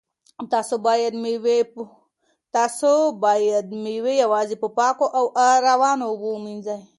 تاسو باید مېوې یوازې په پاکو او روانو اوبو ومینځئ.